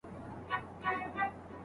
چي پر سر د دروازې یې سره ګلاب کرلي دینه